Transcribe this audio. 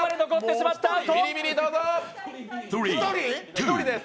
１人です。